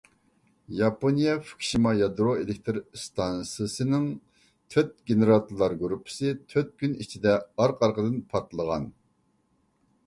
ياپونىيە فۇكۇشىما يادرو ئېلېكتىر ئىستانسىسىنىڭ تۆت گېنېراتورلار گۇرۇپپىسى تۆت كۈن ئىچىدە ئارقا-ئارقىدىن پارتلىغان.